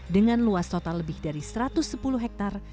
dengan luas total lebih dari satu ratus sepuluh hektare